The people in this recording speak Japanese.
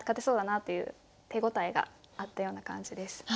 そうだなという手応えがあったような感じです。